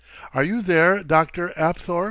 Are you there, Dr. Apthorp?"